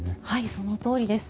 そのとおりです。